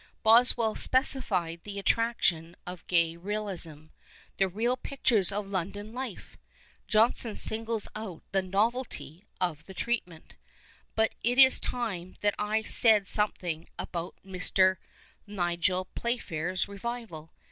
Boswcll specified the attraction of Gay's realism —" the real pictures of London life." Johnson singles out the " novelty " of the treatment. But it is time that I said something about Mr. Nigel Playfair's re^'ival.